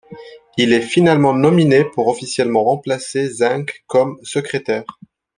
Il est finalement nominé pour officiellement remplacer Zinke comme secrétaire.